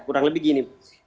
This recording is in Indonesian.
kurang lebih gini